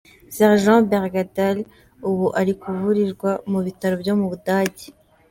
Sergeant Bergdahl ubu ari kuvurirwa mu bitaro byo mu Budage.